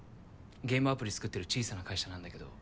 ゲームアプリ作ってる小さな会社なんだけど。